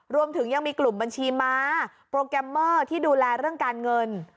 รวมถึงยังมีกลุ่มบัญชีม้าโปรแกรมเมอร์ที่ดูแลเรื่องการเงิน